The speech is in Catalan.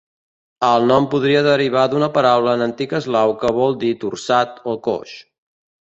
El nom podria derivar d'una paraula en antic eslau que vol dir "torçat" o "coix".